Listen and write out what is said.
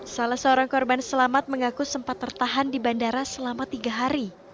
salah seorang korban selamat mengaku sempat tertahan di bandara selama tiga hari